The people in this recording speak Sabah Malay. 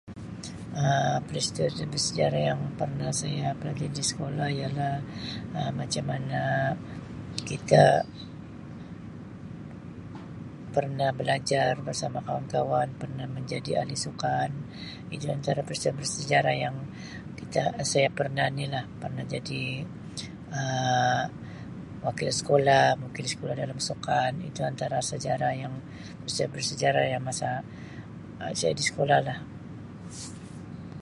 Um Peristiwa jenis bersejarah yang pernah saya belajar di sekolah ialah Um macam mana kita pernah belajar bersama kawan-kawan pernah menjadi ahli sukan itu lah antara peristiwa bersejarah yang kita saya pernah ni lah pernah jadi Um wakil sekolah wakil sekolah dalam sukan itu antara sejarah yang peristiwa bersejarah yang masa Um saya di sekolah lah.